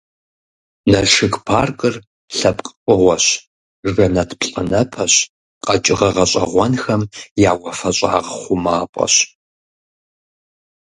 Налшык паркыр лъэпкъ фӀыгъуэщ, жэнэт плӀанэпэщ, къэкӀыгъэ гъэщӀэгъуэнхэм я «уафэщӀагъ хъумапӀэщ».